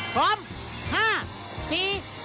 พร้อม๕๔๓๒ไป